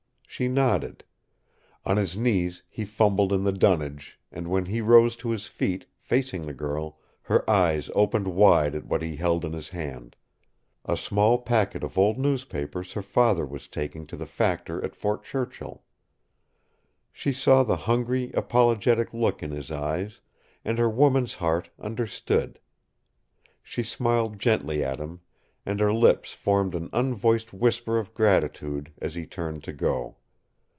She nodded. On his knees he fumbled in the dunnage, and when he rose to his feet, facing the girl, her eyes opened wide at what he held in his hand a small packet of old newspapers her father was taking to the factor at Fort Churchill. She saw the hungry, apologetic look in his eyes, and her woman's heart understood. She smiled gently at him, and her lips formed an unvoiced whisper of gratitude as he turned to go.